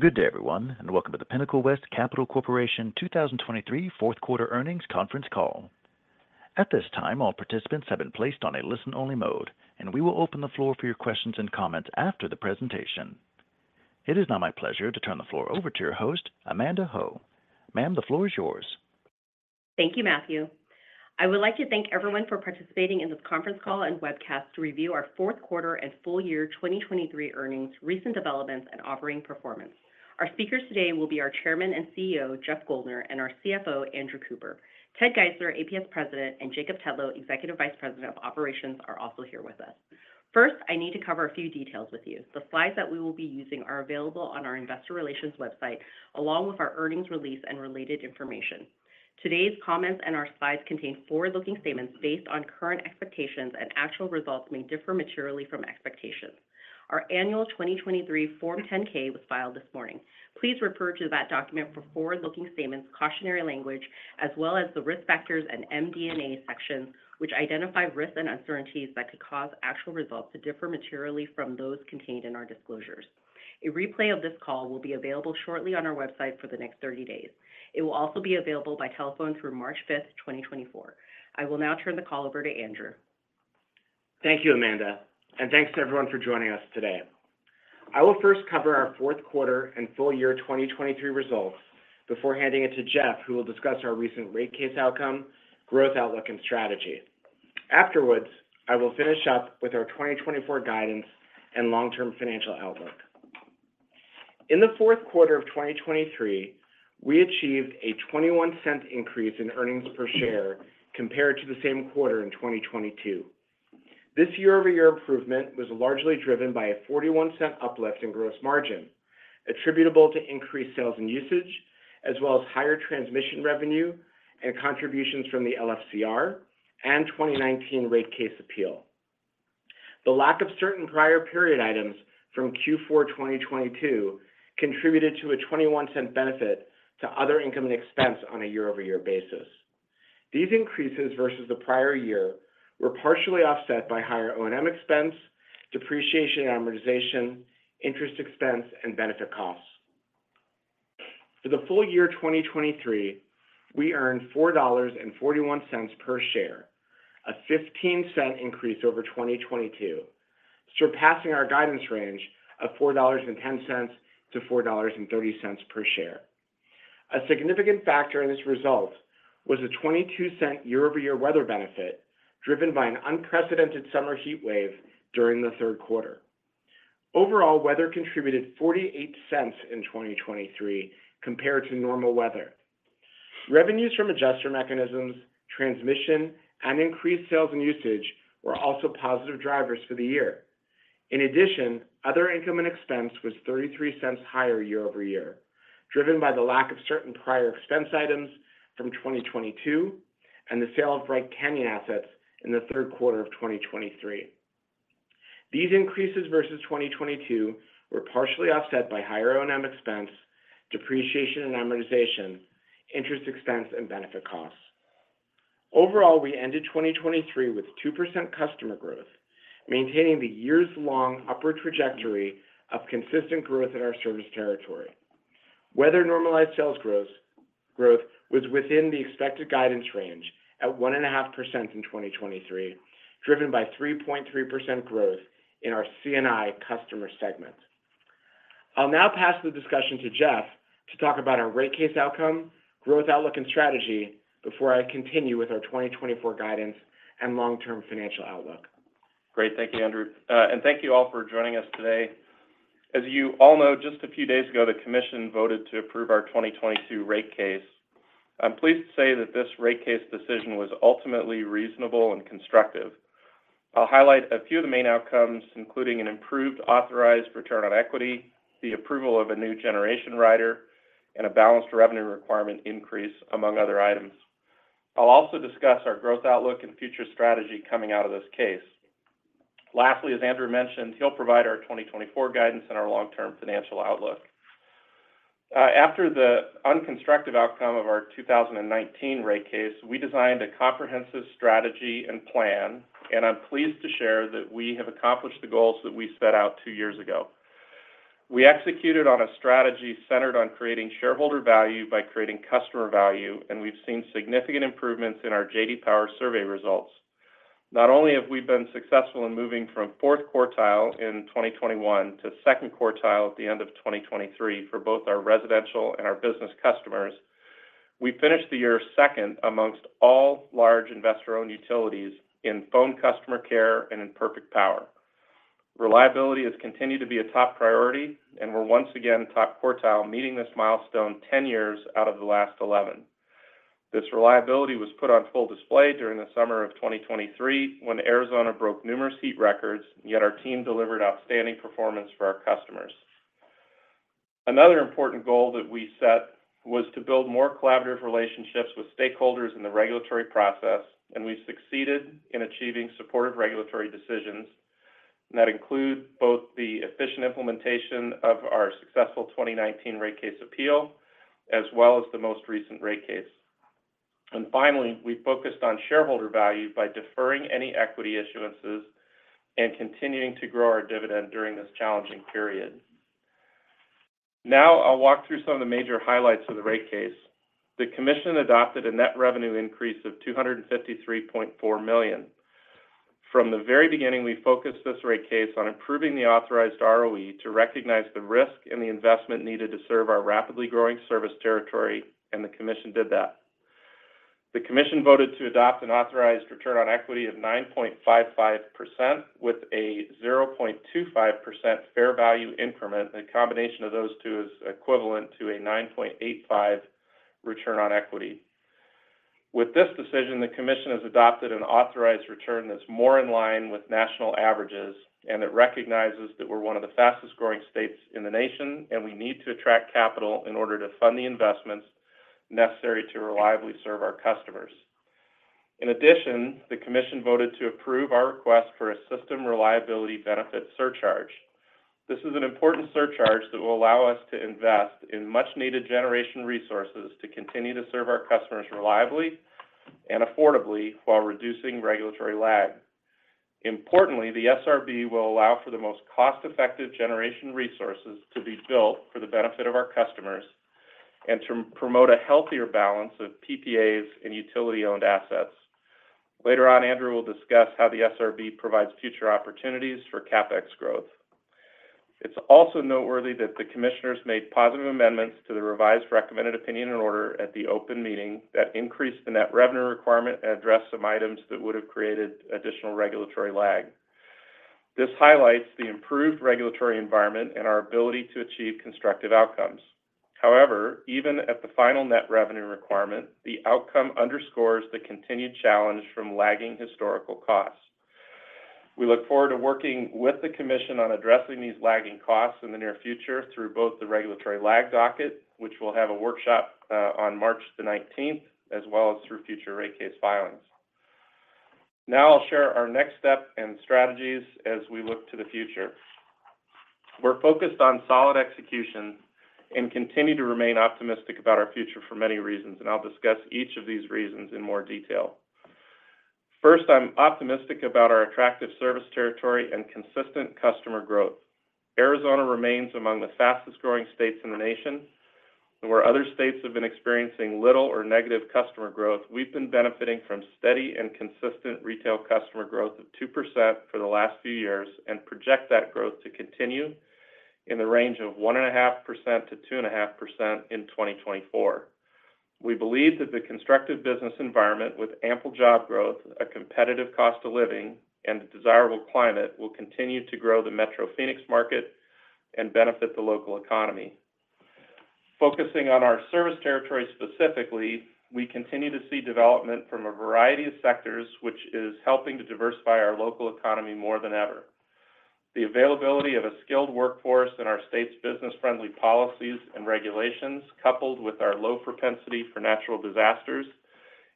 Good day, everyone, and welcome to the Pinnacle West Capital Corporation 2023 fourth-quarter earnings conference call. At this time, all participants have been placed on a listen-only mode, and we will open the floor for your questions and comments after the presentation. It is now my pleasure to turn the floor over to your host, Amanda Ho. Ma'am, the floor is yours. Thank you, Matthew. I would like to thank everyone for participating in this conference call and webcast to review our Q4 and full year 2023 earnings, recent developments, and operating performance. Our speakers today will be our Chairman and CEO, Jeff Guldner, and our CFO, Andrew Cooper. Ted Geisler, APS President, and Jacob Tetlow, Executive Vice President of Operations, are also here with us. First, I need to cover a few details with you. The slides that we will be using are available on our investor relations website, along with our earnings release and related information. Today's comments and our slides contain forward-looking statements based on current expectations, and actual results may differ materially from expectations. Our annual 2023 Form 10-K was filed this morning. Please refer to that document for forward-looking statements, cautionary language, as well as the risk factors and MD&A sections, which identify risks and uncertainties that could cause actual results to differ materially from those contained in our disclosures. A replay of this call will be available shortly on our website for the next 30 days. It will also be available by telephone through March 5th, 2024. I will now turn the call over to Andrew. Thank you, Amanda, and thanks to everyone for joining us today. I will first cover our Q4 and full year 2023 results before handing it to Jeff, who will discuss our recent rate case outcome, growth outlook, and strategy. Afterwards, I will finish up with our 2024 guidance and long-term financial outlook. In the Q4 of 2023, we achieved a $0.21 increase in earnings per share compared to the same quarter in 2022. This year-over-year improvement was largely driven by a $0.41 uplift in gross margin, attributable to increased sales and usage, as well as higher transmission revenue and contributions from the LFCR and 2019 rate case appeal. The lack of certain prior period items from Q4 2022 contributed to a $0.21 benefit to other income and expense on a year-over-year basis. These increases versus the prior year were partially offset by higher O&M expense, depreciation and amortization, interest expense, and benefit costs. For the full year 2023, we earned $4.41 per share, a $0.15 increase over 2022, surpassing our guidance range of $4.10-$4.30 per share. A significant factor in this result was a $0.22 year-over-year weather benefit driven by an unprecedented summer heat wave during the third quarter. Overall, weather contributed $0.0048 in 2023 compared to normal weather. Revenues from adjuster mechanisms, transmission, and increased sales and usage were also positive drivers for the year. In addition, other income and expense was $0.0033 higher year-over-year, driven by the lack of certain prior expense items from 2022 and the sale of Bright Canyon assets in the Q3 of 2023. These increases versus 2022 were partially offset by higher O&M expense, depreciation and amortization, interest expense, and benefit costs. Overall, we ended 2023 with 2% customer growth, maintaining the years-long upward trajectory of consistent growth in our service territory. Weather-normalized sales growth was within the expected guidance range at 1.5% in 2023, driven by 3.3% growth in our C&I customer segment. I'll now pass the discussion to Jeff to talk about our rate case outcome, growth outlook, and strategy before I continue with our 2024 guidance and long-term financial outlook. Great. Thank you, Andrew. Thank you all for joining us today. As you all know, just a few days ago, the commission voted to approve our 2022 rate case. I'm pleased to say that this rate case decision was ultimately reasonable and constructive. I'll highlight a few of the main outcomes, including an improved authorized return on equity, the approval of a new generation rider, and a balanced revenue requirement increase, among other items. I'll also discuss our growth outlook and future strategy coming out of this case. Lastly, as Andrew mentioned, he'll provide our 2024 guidance and our long-term financial outlook. After the unconstructive outcome of our 2019 rate case, we designed a comprehensive strategy and plan, and I'm pleased to share that we have accomplished the goals that we set out two years ago. We executed on a strategy centered on creating shareholder value by creating customer value, and we've seen significant improvements in our J.D. Power survey results. Not only have we been successful in moving from fourth quartile in 2021 to second quartile at the end of 2023 for both our residential and our business customers, we finished the year second amongst all large investor-owned utilities in phone customer care and in Perfect Power. Reliability has continued to be a top priority, and we're once again top quartile, meeting this milestone 10 years out of the last 11. This reliability was put on full display during the summer of 2023 when Arizona broke numerous heat records, yet our team delivered outstanding performance for our customers. Another important goal that we set was to build more collaborative relationships with stakeholders in the regulatory process, and we've succeeded in achieving supportive regulatory decisions that include both the efficient implementation of our successful 2019 rate case appeal as well as the most recent rate case. Finally, we focused on shareholder value by deferring any equity issuances and continuing to grow our dividend during this challenging period. Now I'll walk through some of the major highlights of the rate case. The Commission adopted a net revenue increase of $253.4 million. From the very beginning, we focused this rate case on improving the authorized ROE to recognize the risk and the investment needed to serve our rapidly growing service territory, and the Commission did that. The Commission voted to adopt an authorized return on equity of 9.55% with a 0.25% fair value increment. The combination of those two is equivalent to a 9.85 return on equity. With this decision, the commission has adopted an authorized return that's more in line with national averages, and it recognizes that we're one of the fastest growing states in the nation, and we need to attract capital in order to fund the investments necessary to reliably serve our customers. In addition, the commission voted to approve our request for a System Reliability Benefit surcharge. This is an important surcharge that will allow us to invest in much-needed generation resources to continue to serve our customers reliably and affordably while reducing regulatory lag. Importantly, the SRB will allow for the most cost-effective generation resources to be built for the benefit of our customers and to promote a healthier balance of PPAs and utility-owned assets. Later on, Andrew will discuss how the SRB provides future opportunities for CapEx growth. It's also noteworthy that the commissioners made positive amendments to the revised recommended opinion and order at the open meeting that increased the net revenue requirement and addressed some items that would have created additional regulatory lag. This highlights the improved regulatory environment and our ability to achieve constructive outcomes. However, even at the final net revenue requirement, the outcome underscores the continued challenge from lagging historical costs. We look forward to working with the commission on addressing these lagging costs in the near future through both the regulatory lag docket, which we'll have a workshop on March 19th, as well as through future rate case filings. Now I'll share our next step and strategies as we look to the future. We're focused on solid execution and continue to remain optimistic about our future for many reasons, and I'll discuss each of these reasons in more detail. First, I'm optimistic about our attractive service territory and consistent customer growth. Arizona remains among the fastest growing states in the nation. Where other states have been experiencing little or negative customer growth, we've been benefiting from steady and consistent retail customer growth of 2% for the last few years and project that growth to continue in the range of 1.5%-2.5% in 2024. We believe that the constructive business environment with ample job growth, a competitive cost of living, and a desirable climate will continue to grow the Metro Phoenix market and benefit the local economy. Focusing on our service territory specifically, we continue to see development from a variety of sectors, which is helping to diversify our local economy more than ever. The availability of a skilled workforce and our state's business-friendly policies and regulations, coupled with our low propensity for natural disasters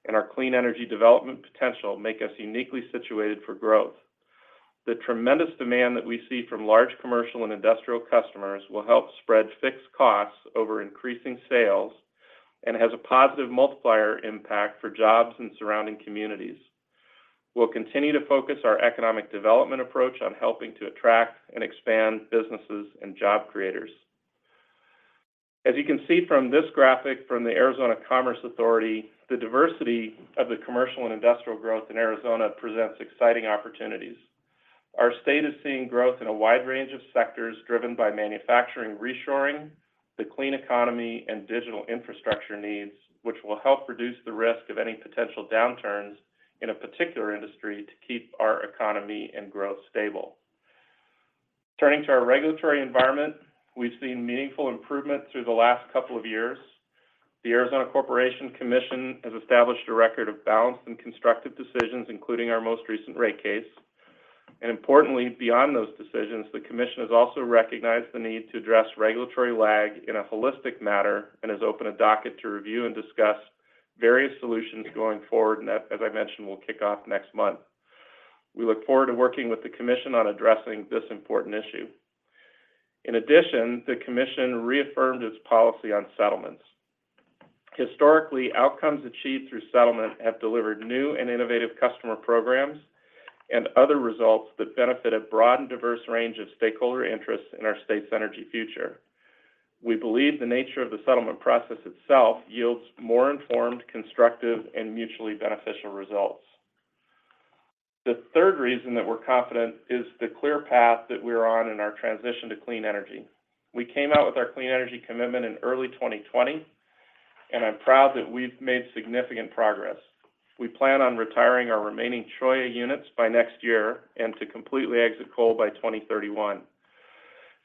and our clean energy development potential, make us uniquely situated for growth. The tremendous demand that we see from large commercial and industrial customers will help spread fixed costs over increasing sales and has a positive multiplier impact for jobs and surrounding communities. We'll continue to focus our economic development approach on helping to attract and expand businesses and job creators. As you can see from this graphic from the Arizona Commerce Authority, the diversity of the commercial and industrial growth in Arizona presents exciting opportunities. Our state is seeing growth in a wide range of sectors driven by manufacturing reshoring, the clean economy, and digital infrastructure needs, which will help reduce the risk of any potential downturns in a particular industry to keep our economy and growth stable. Turning to our regulatory environment, we've seen meaningful improvement through the last couple of years. The Arizona Corporation Commission has established a record of balanced and constructive decisions, including our most recent rate case. Importantly, beyond those decisions, the commission has also recognized the need to address regulatory lag in a holistic matter and has opened a docket to review and discuss various solutions going forward. As I mentioned, we'll kick off next month. We look forward to working with the commission on addressing this important issue. In addition, the commission reaffirmed its policy on settlements. Historically, outcomes achieved through settlement have delivered new and innovative customer programs and other results that benefit a broad and diverse range of stakeholder interests in our state's energy future. We believe the nature of the settlement process itself yields more informed, constructive, and mutually beneficial results. The third reason that we're confident is the clear path that we're on in our transition to clean energy. We came out with our Clean Energy Commitment in early 2020, and I'm proud that we've made significant progress. We plan on retiring our remaining Cholla units by next year and to completely exit coal by 2031.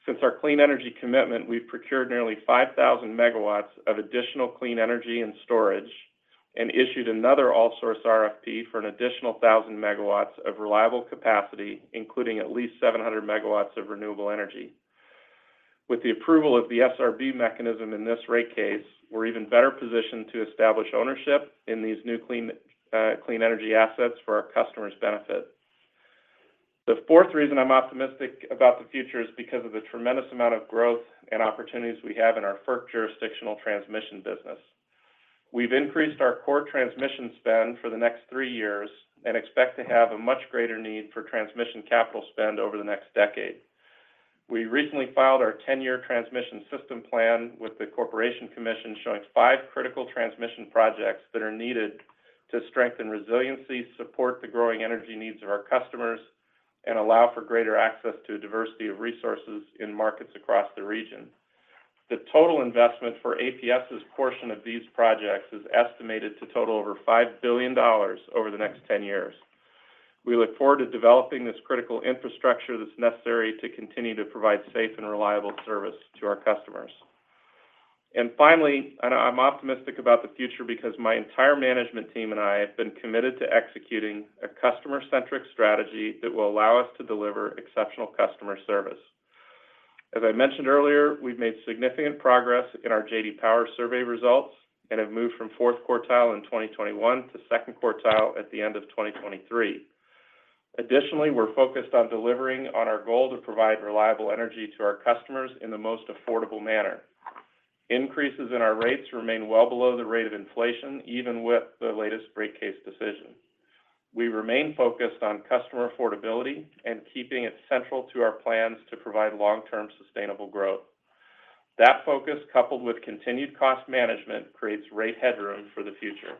Since our Clean Energy Commitment, we've procured nearly 5,000 MW of additional clean energy and storage and issued another all-source RFP for an additional 1,000 MW of reliable capacity, including at least 700 MW of renewable energy. With the approval of the SRB mechanism in this rate case, we're even better positioned to establish ownership in these new clean energy assets for our customers' benefit. The fourth reason I'm optimistic about the future is because of the tremendous amount of growth and opportunities we have in our FERC jurisdictional transmission business. We've increased our core transmission spend for the next 3 years and expect to have a much greater need for transmission capital spend over the next decade. We recently filed our 10-year transmission system plan with the Corporation Commission, showing 5 critical transmission projects that are needed to strengthen resiliency, support the growing energy needs of our customers, and allow for greater access to a diversity of resources in markets across the region. The total investment for APS's portion of these projects is estimated to total over $5 billion over the next 10 years. We look forward to developing this critical infrastructure that's necessary to continue to provide safe and reliable service to our customers. And finally, I'm optimistic about the future because my entire management team and I have been committed to executing a customer-centric strategy that will allow us to deliver exceptional customer service. As I mentioned earlier, we've made significant progress in our J.D. Power survey results and have moved from fourth quartile in 2021 to second quartile at the end of 2023. Additionally, we're focused on delivering on our goal to provide reliable energy to our customers in the most affordable manner. Increases in our rates remain well below the rate of inflation, even with the latest rate case decision. We remain focused on customer affordability and keeping it central to our plans to provide long-term sustainable growth. That focus, coupled with continued cost management, creates rate headroom for the future.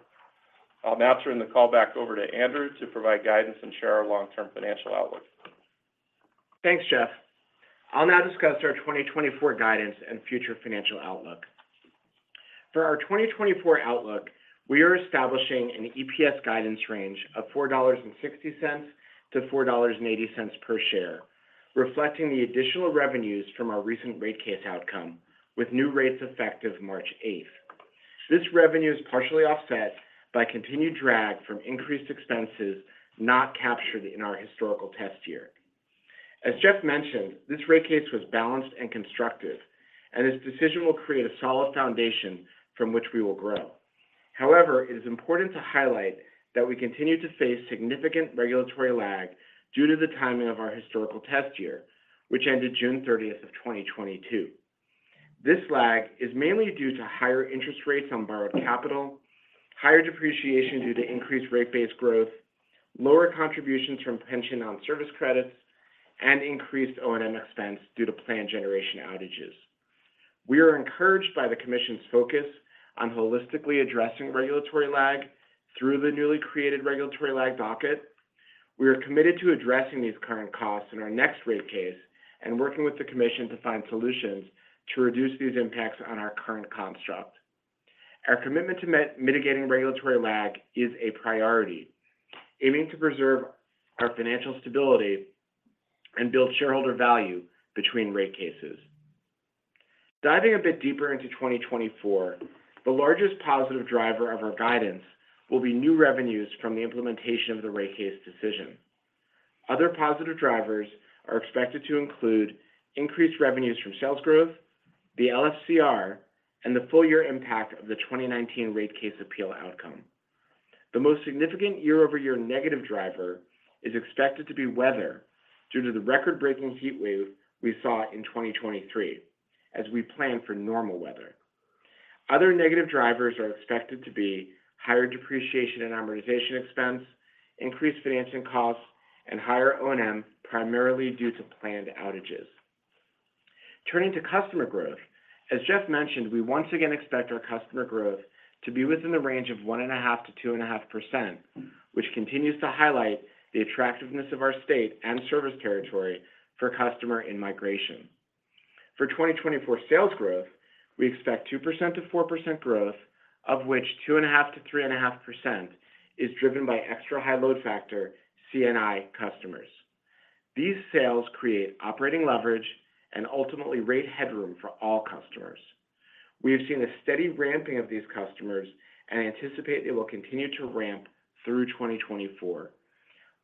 I'll now turn the call back over to Andrew to provide guidance and share our long-term financial outlook. Thanks, Jeff. I'll now discuss our 2024 guidance and future financial outlook. For our 2024 outlook, we are establishing an EPS guidance range of $4.60-$4.80 per share, reflecting the additional revenues from our recent rate case outcome with new rates effective March 8th. This revenue is partially offset by continued drag from increased expenses not captured in our historical test year. As Jeff mentioned, this rate case was balanced and constructive, and this decision will create a solid foundation from which we will grow. However, it is important to highlight that we continue to face significant regulatory lag due to the timing of our historical test year, which ended June 30, 2022. This lag is mainly due to higher interest rates on borrowed capital, higher depreciation due to increased rate base growth, lower contributions from pension non-service credits, and increased O&M expense due to planned generation outages. We are encouraged by the commission's focus on holistically addressing regulatory lag through the newly created regulatory lag docket. We are committed to addressing these current costs in our next rate case and working with the commission to find solutions to reduce these impacts on our current construct. Our commitment to mitigating regulatory lag is a priority, aiming to preserve our financial stability and build shareholder value between rate cases. Diving a bit deeper into 2024, the largest positive driver of our guidance will be new revenues from the implementation of the rate case decision. Other positive drivers are expected to include increased revenues from sales growth, the LFCR, and the full-year impact of the 2019 rate case appeal outcome. The most significant year-over-year negative driver is expected to be weather due to the record-breaking heat wave we saw in 2023, as we plan for normal weather. Other negative drivers are expected to be higher depreciation and amortization expense, increased financing costs, and higher O&M, primarily due to planned outages. Turning to customer growth, as Jeff mentioned, we once again expect our customer growth to be within the range of 1.5%-2.5%, which continues to highlight the attractiveness of our state and service territory for customer in-migration. For 2024 sales growth, we expect 2%-4% growth, of which 2.5%-3.5% is driven by extra high load factor C&I customers. These sales create operating leverage and ultimately rate headroom for all customers. We have seen a steady ramping of these customers and anticipate they will continue to ramp through 2024.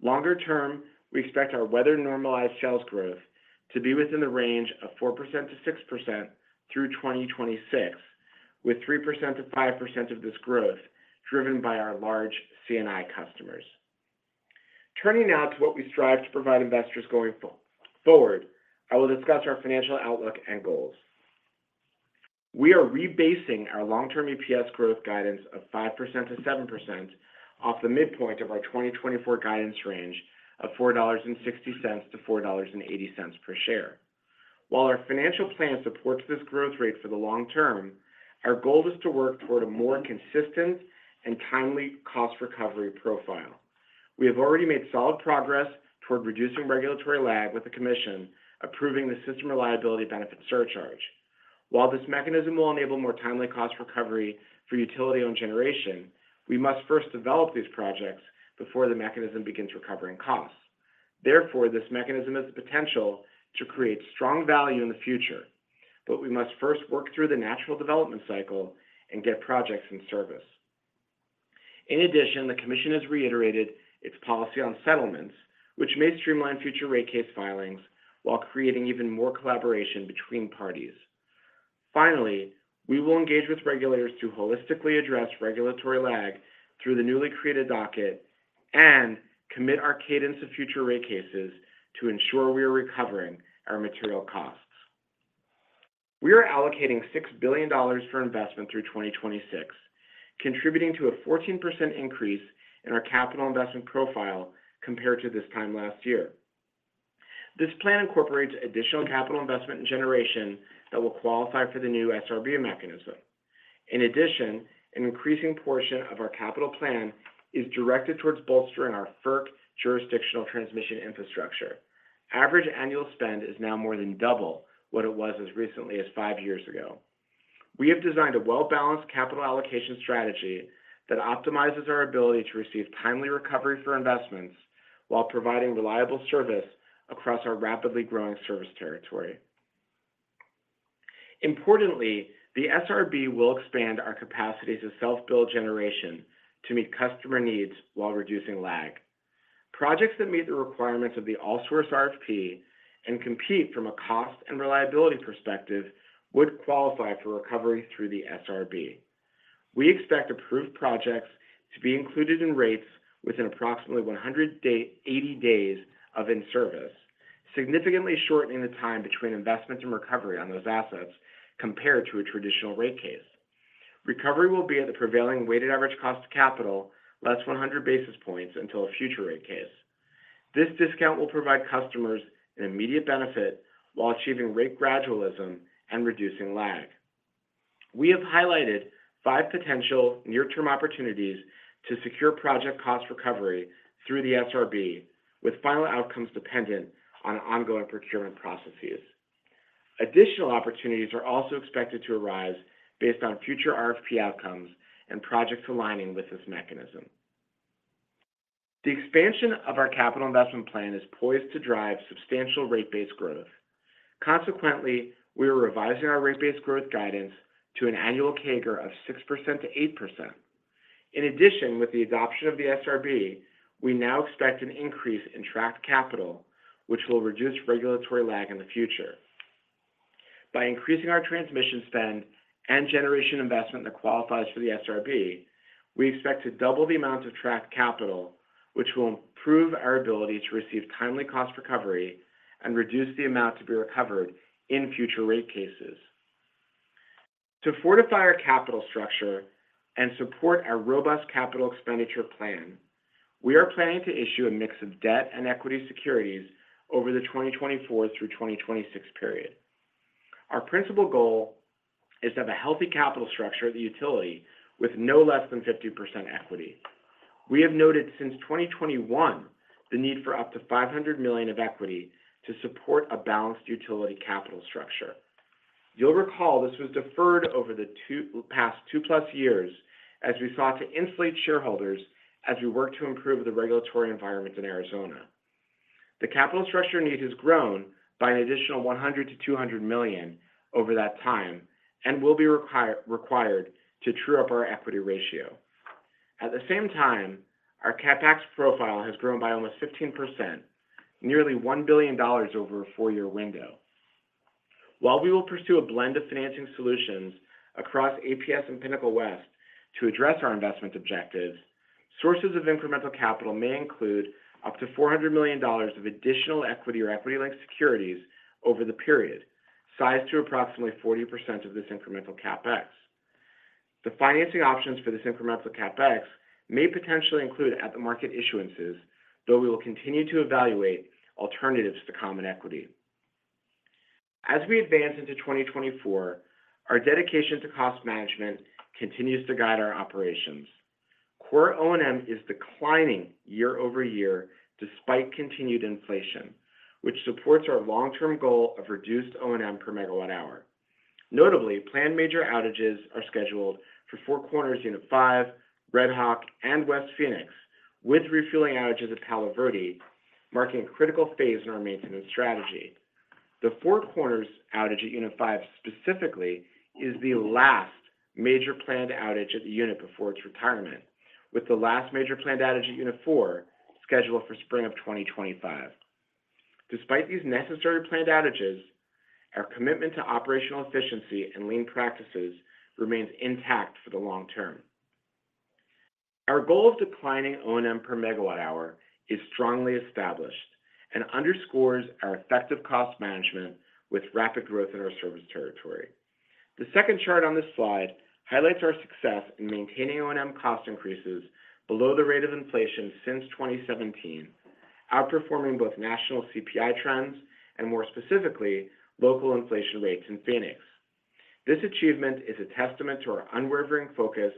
Longer term, we expect our weather-normalized sales growth to be within the range of 4%-6% through 2026, with 3%-5% of this growth driven by our large C&I customers. Turning now to what we strive to provide investors going forward, I will discuss our financial outlook and goals. We are rebasing our long-term EPS growth guidance of 5%-7% off the midpoint of our 2024 guidance range of $4.60-$4.80 per share. While our financial plan supports this growth rate for the long term, our goal is to work toward a more consistent and timely cost recovery profile. We have already made solid progress toward reducing regulatory lag with the commission approving the System Reliability Benefit surcharge. While this mechanism will enable more timely cost recovery for utility-owned generation, we must first develop these projects before the mechanism begins recovering costs. Therefore, this mechanism has the potential to create strong value in the future, but we must first work through the natural development cycle and get projects in service. In addition, the commission has reiterated its policy on settlements, which may streamline future rate case filings while creating even more collaboration between parties. Finally, we will engage with regulators to holistically address regulatory lag through the newly created docket and commit our cadence of future rate cases to ensure we are recovering our material costs. We are allocating $6 billion for investment through 2026, contributing to a 14% increase in our capital investment profile compared to this time last year. This plan incorporates additional capital investment and generation that will qualify for the new SRB mechanism. In addition, an increasing portion of our capital plan is directed towards bolstering our FERC jurisdictional transmission infrastructure. Average annual spend is now more than double what it was as recently as five years ago. We have designed a well-balanced capital allocation strategy that optimizes our ability to receive timely recovery for investments while providing reliable service across our rapidly growing service territory. Importantly, the SRB will expand our capacities to self-build generation to meet customer needs while reducing lag. Projects that meet the requirements of the all-source RFP and compete from a cost and reliability perspective would qualify for recovery through the SRB. We expect approved projects to be included in rates within approximately 180 days of in-service, significantly shortening the time between investment and recovery on those assets compared to a traditional rate case. Recovery will be at the prevailing weighted average cost of capital, less 100 basis points, until a future rate case. This discount will provide customers an immediate benefit while achieving rate gradualism and reducing lag. We have highlighted 5 potential near-term opportunities to secure project cost recovery through the SRB, with final outcomes dependent on ongoing procurement processes. Additional opportunities are also expected to arise based on future RFP outcomes and projects aligning with this mechanism. The expansion of our capital investment plan is poised to drive substantial rate based growth. Consequently, we are revising our rate based growth guidance to an annual CAGR of 6%-8%. In addition, with the adoption of the SRB, we now expect an increase in tracked capital, which will reduce regulatory lag in the future. By increasing our transmission spend and generation investment that qualifies for the SRB, we expect to double the amount of tracked capital, which will improve our ability to receive timely cost recovery and reduce the amount to be recovered in future rate cases. To fortify our capital structure and support our robust capital expenditure plan, we are planning to issue a mix of debt and equity securities over the 2024 through 2026 period. Our principal goal is to have a healthy capital structure at the utility with no less than 50% equity. We have noted since 2021 the need for up to $500 million of equity to support a balanced utility capital structure. You'll recall this was deferred over the past 2+ years as we sought to insulate shareholders as we worked to improve the regulatory environment in Arizona. The capital structure need has grown by an additional $100 million-$200 million over that time and will be required to true up our equity ratio. At the same time, our CapEx profile has grown by almost 15%, nearly $1 billion over a 4-year window. While we will pursue a blend of financing solutions across APS and Pinnacle West to address our investment objectives, sources of incremental capital may include up to $400 million of additional equity or equity-linked securities over the period, sized to approximately 40% of this incremental CapEx. The financing options for this incremental CapEx may potentially include at-the-market issuances, though we will continue to evaluate alternatives to common equity. As we advance into 2024, our dedication to cost management continues to guide our operations. Core O&M is declining year-over-year despite continued inflation, which supports our long-term goal of reduced O&M per megawatt-hour. Notably, planned major outages are scheduled for Four Corners, Unit 5, Red Hawk, and West Phoenix, with refueling outages at Palo Verde marking a critical phase in our maintenance strategy. The Four Corners outage at Unit 5 specifically is the last major planned outage at the unit before its retirement, with the last major planned outage at Unit 4 scheduled for spring of 2025. Despite these necessary planned outages, our commitment to operational efficiency and lean practices remains intact for the long term. Our goal of declining O&M per megawatt-hour is strongly established and underscores our effective cost management with rapid growth in our service territory. The second chart on this slide highlights our success in maintaining O&M cost increases below the rate of inflation since 2017, outperforming both national CPI trends and, more specifically, local inflation rates in Phoenix. This achievement is a testament to our unwavering focus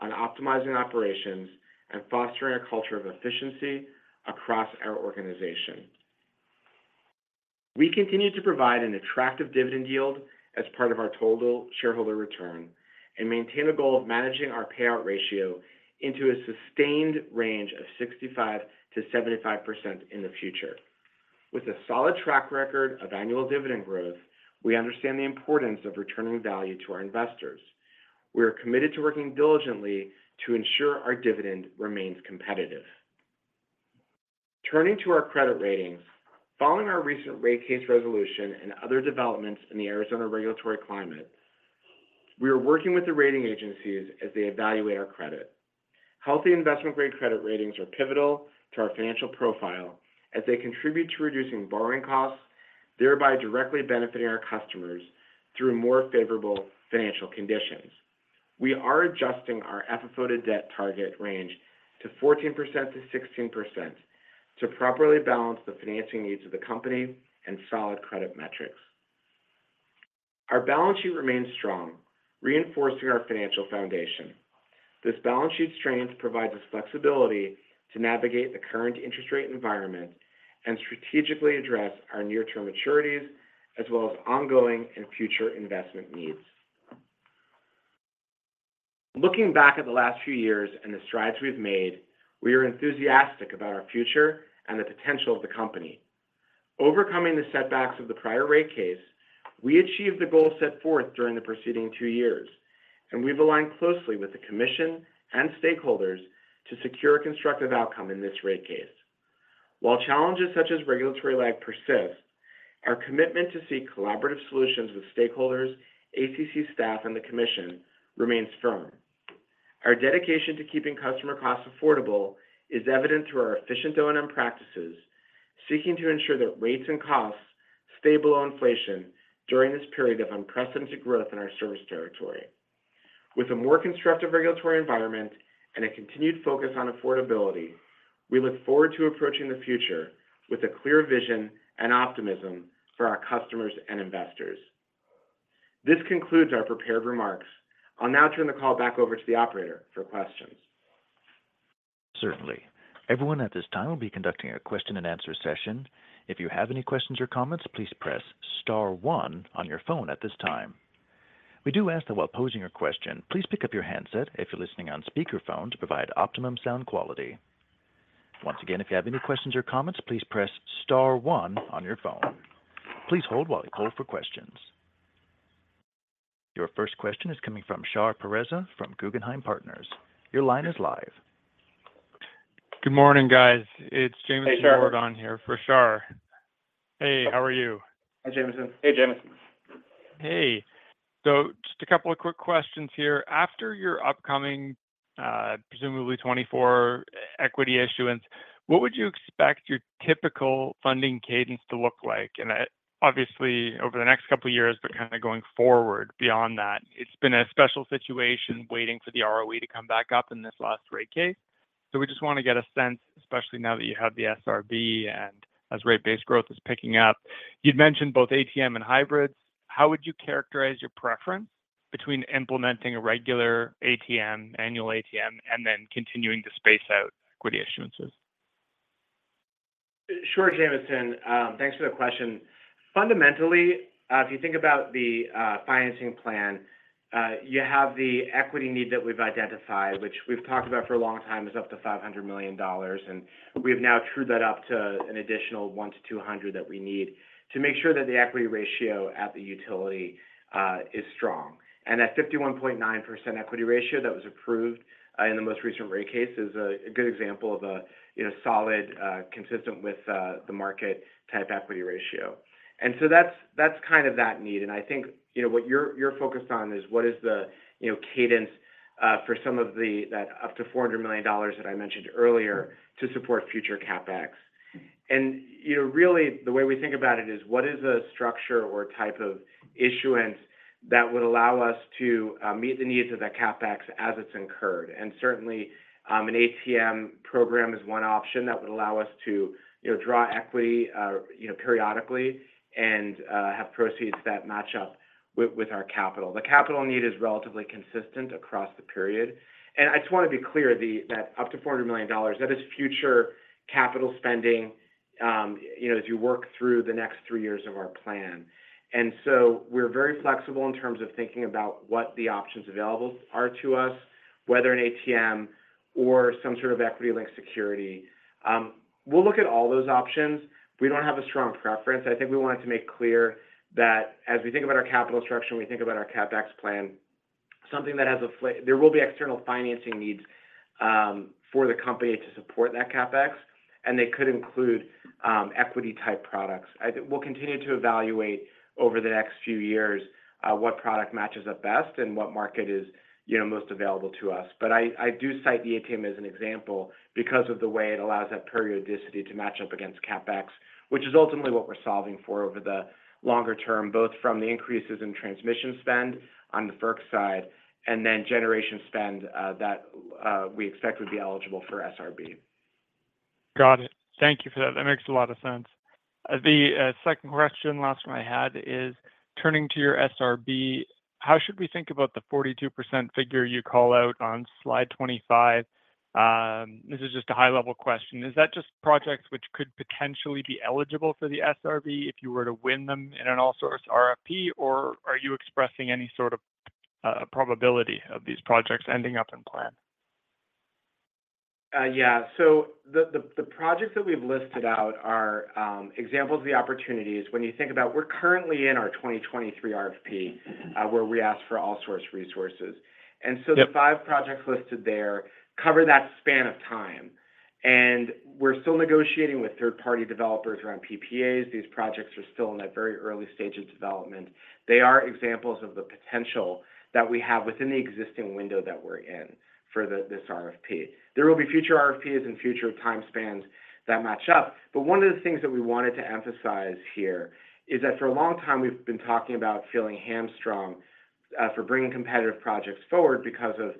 on optimizing operations and fostering a culture of efficiency across our organization. We continue to provide an attractive dividend yield as part of our total shareholder return and maintain a goal of managing our payout ratio into a sustained range of 65%-75% in the future. With a solid track record of annual dividend growth, we understand the importance of returning value to our investors. We are committed to working diligently to ensure our dividend remains competitive. Turning to our credit ratings, following our recent rate case resolution and other developments in the Arizona regulatory climate, we are working with the rating agencies as they evaluate our credit. Healthy investment-grade credit ratings are pivotal to our financial profile as they contribute to reducing borrowing costs, thereby directly benefiting our customers through more favorable financial conditions. We are adjusting our FFO debt target range to 14%-16% to properly balance the financing needs of the company and solid credit metrics. Our balance sheet remains strong, reinforcing our financial foundation. This balance sheet strength provides us flexibility to navigate the current interest rate environment and strategically address our near-term maturities as well as ongoing and future investment needs. Looking back at the last few years and the strides we've made, we are enthusiastic about our future and the potential of the company. Overcoming the setbacks of the prior rate case, we achieved the goal set forth during the preceding two years, and we've aligned closely with the commission and stakeholders to secure a constructive outcome in this rate case. While challenges such as regulatory lag persist, our commitment to seek collaborative solutions with stakeholders, ACC staff, and the commission remains firm. Our dedication to keeping customer costs affordable is evident through our efficient O&M practices, seeking to ensure that rates and costs stay below inflation during this period of unprecedented growth in our service territory. With a more constructive regulatory environment and a continued focus on affordability, we look forward to approaching the future with a clear vision and optimism for our customers and investors. This concludes our prepared remarks. I'll now turn the call back over to the operator for questions. Certainly. Everyone at this time will be conducting a question-and-answer session. If you have any questions or comments, please press star 1 on your phone at this time. We do ask that while posing your question, please pick up your handset if you're listening on speakerphone to provide optimum sound quality. Once again, if you have any questions or comments, please press star 1 on your phone. Please hold while we poll for questions. Your first question is coming from Shar Pourreza from Guggenheim Partners. Your line is live. Good morning, guys. It's James Surprenant on here for Shar. Hey, how are you? Hi, James. Hey, Jim. Hey. So just a couple of quick questions here. After your upcoming, presumably 2024, equity issuance, what would you expect your typical funding cadence to look like? And obviously, over the next couple of years, but kind of going forward beyond that, it's been a special situation waiting for the ROE to come back up in this last rate case. So we just want to get a sense, especially now that you have the SRB and as rate based growth is picking up, you'd mentioned both ATM and hybrids. How would you characterize your preference between implementing a regular ATM, annual ATM, and then continuing to space out equity issuances? Sure, Jim. Thanks for the question. Fundamentally, if you think about the financing plan, you have the equity need that we've identified, which we've talked about for a long time is up to $500 million, and we've now trued that up to an additional $1 million-$200 million that we need to make sure that the equity ratio at the utility is strong. That 51.9% equity ratio that was approved in the most recent rate case is a good example of a solid, consistent with the market type equity ratio. So that's kind of that need. I think what you're focused on is what is the cadence for some of that up to $400 million that I mentioned earlier to support future CapEx. Really, the way we think about it is what is a structure or type of issuance that would allow us to meet the needs of that CapEx as it's incurred? Certainly, an ATM program is one option that would allow us to draw equity periodically and have proceeds that match up with our capital. The capital need is relatively consistent across the period. I just want to be clear, that up to $400 million, that is future capital spending as you work through the next three years of our plan. So we're very flexible in terms of thinking about what the options available are to us, whether an ATM or some sort of equity-linked security. We'll look at all those options. We don't have a strong preference. I think we wanted to make clear that as we think about our capital structure, we think about our CapEx plan, something that there will be external financing needs for the company to support that CapEx, and they could include equity-type products. We'll continue to evaluate over the next few years what product matches it best and what market is most available to us. But I do cite the ATM as an example because of the way it allows that periodicity to match up against CapEx, which is ultimately what we're solving for over the longer term, both from the increases in transmission spend on the FERC side and then generation spend that we expect would be eligible for SRB. Got it. Thank you for that. That makes a lot of sense. The second question, last one I had, is turning to your SRB, how should we think about the 42% figure you call out on slide 25? This is just a high-level question. Is that just projects which could potentially be eligible for the SRB if you were to win them in an all-source RFP, or are you expressing any sort of probability of these projects ending up in plan? Yeah. So the projects that we've listed out are examples of the opportunities. When you think about, we're currently in our 2023 RFP where we ask for all-source resources. So the five projects listed there cover that span of time. And we're still negotiating with third-party developers around PPAs. These projects are still in that very early stage of development. They are examples of the potential that we have within the existing window that we're in for this RFP. There will be future RFPs and future time spans that match up. But one of the things that we wanted to emphasize here is that for a long time, we've been talking about feeling hamstrung for bringing competitive projects forward because of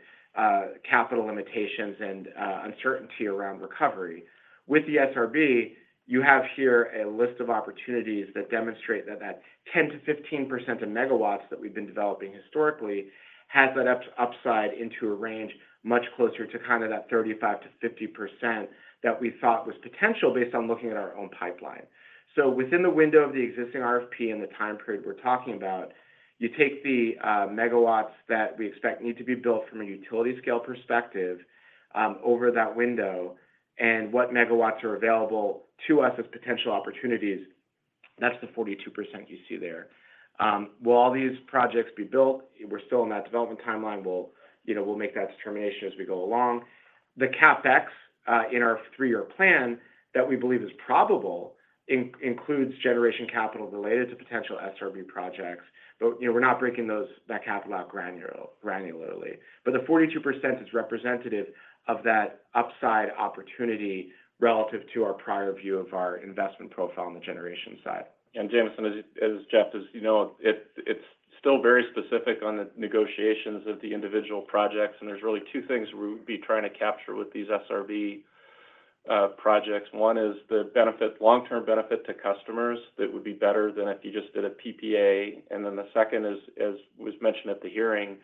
capital limitations and uncertainty around recovery. With the SRB, you have here a list of opportunities that demonstrate that that 10%-15% of MW that we've been developing historically has that upside into a range much closer to kind of that 35%-50% that we thought was potential based on looking at our own pipeline. So within the window of the existing RFP and the time period we're talking about, you take the MW that we expect need to be built from a utility-scale perspective over that window, and what MW are available to us as potential opportunities, that's the 42% you see there. Will all these projects be built? We're still in that development timeline. We'll make that determination as we go along. The CapEx in our 3-year plan that we believe is probable includes generation capital related to potential SRB projects, but we're not breaking that capital out granularly. The 42% is representative of that upside opportunity relative to our prior view of our investment profile on the generation side. Jim, it's Jeff, as you know, it's still very specific on the negotiations of the individual projects. There's really two things we would be trying to capture with these SRB projects. One is the long-term benefit to customers that would be better than if you just did a PPA. And then the second is, as was mentioned at the hearing,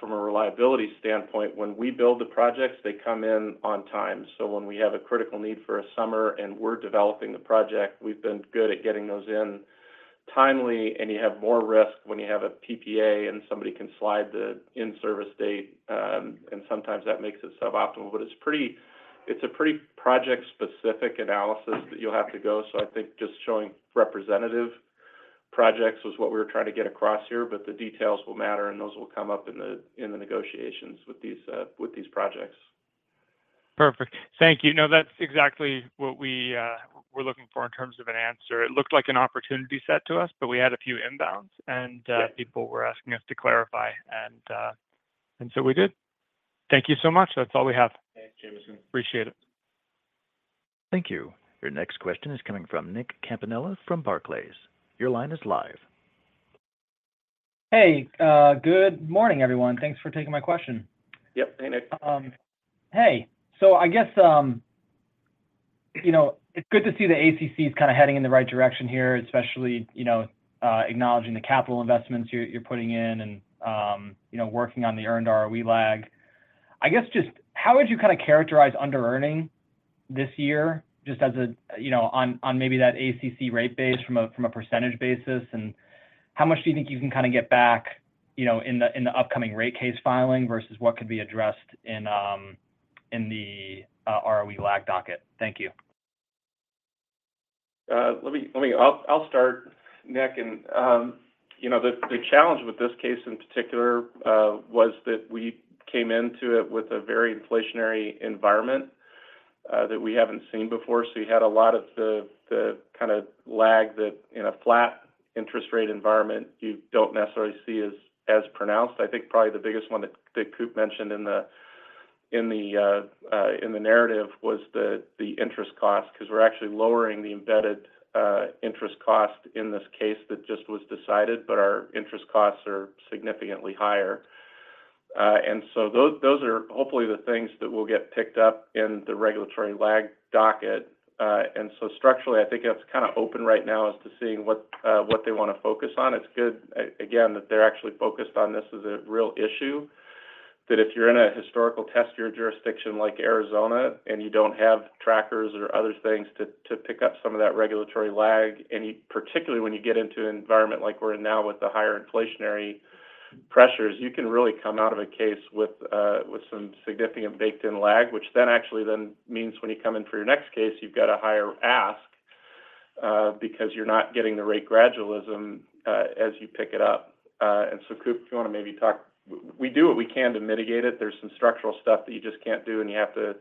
from a reliability standpoint, when we build the projects, they come in on time. So when we have a critical need for a summer and we're developing the project, we've been good at getting those in timely, and you have more risk when you have a PPA and somebody can slide the in-service date. And sometimes that makes it suboptimal. But it's a pretty project-specific analysis that you'll have to go. So I think just showing representative projects was what we were trying to get across here. The details will matter, and those will come up in the negotiations with these projects. Perfect. Thank you. No, that's exactly what we were looking for in terms of an answer. It looked like an opportunity set to us, but we had a few inbounds, and people were asking us to clarify. And so we did. Thank you so much. That's all we have. Thanks, Jamieson. Appreciate it. Thank you. Your next question is coming from Nick Campanella from Barclays. Your line is live. Hey. Good morning, everyone. Thanks for taking my question. Yep. Hey, Nick. Hey. So I guess it's good to see the ACC is kind of heading in the right direction here, especially acknowledging the capital investments you're putting in and working on the earned ROE lag. I guess just how would you kind of characterize under-earning this year just as a on maybe that ACC rate base from a percentage basis, and how much do you think you can kind of get back in the upcoming rate case filing versus what could be addressed in the ROE lag docket? Thank you. Let me start, Nick. The challenge with this case in particular was that we came into it with a very inflationary environment that we haven't seen before. You had a lot of the kind of lag that in a flat interest rate environment, you don't necessarily see as pronounced. I think probably the biggest one that Coop mentioned in the narrative was the interest cost because we're actually lowering the embedded interest cost in this case that just was decided, but our interest costs are significantly higher. Those are hopefully the things that will get picked up in the regulatory lag docket. Structurally, I think it's kind of open right now as to seeing what they want to focus on. It's good, again, that they're actually focused on this as a real issue, that if you're in a historical test year jurisdiction like Arizona and you don't have trackers or other things to pick up some of that regulatory lag, and particularly when you get into an environment like we're in now with the higher inflationary pressures, you can really come out of a case with some significant baked-in lag, which then actually then means when you come in for your next case, you've got a higher ask because you're not getting the rate gradualism as you pick it up. And so Coop, if you want to maybe talk, we do what we can to mitigate it. There's some structural stuff that you just can't do, and you have to